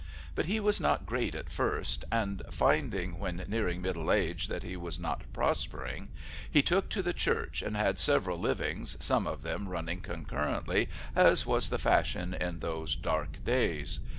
But he was not great at first, and finding when nearing middle age that he was not prospering, he took to the Church and had several livings, some of them running concurrently, as was the fashion in those dark days.